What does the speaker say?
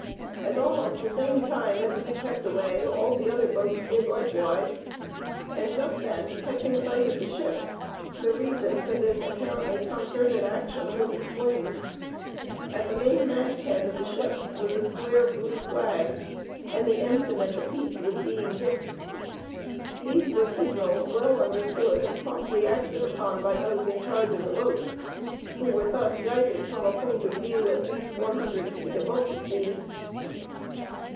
At almost the same time as we kept away all the other boats did likewise, and just then, catching sight of the ship, the reason for this apparently concerted action was explained. At the main mast head of the ship was a square blue flag, and the ensign at the peak was being dipped. These were signals well understood and promptly acted upon by those in charge of the boats, who were thus guided from a point of view at least one hundred feet above the sea.